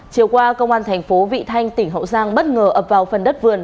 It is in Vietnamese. chiều qua công an thành phố vị thanh tỉnh hậu giang bất ngờ ập vào phần đất vườn